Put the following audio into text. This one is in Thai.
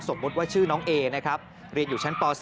สมมุติว่าชื่อน้องเอนะครับเรียนอยู่ชั้นป๓